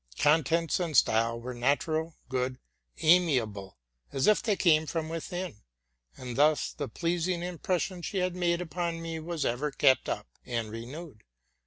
Contents and style were natural, good, amiable, as if they came from within ; and thus the pleasing impression she had made upon me was ever kept up and renewed.